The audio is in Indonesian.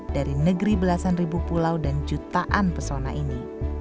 dari negeri belasan ribu pulau dan jutaan pesona ini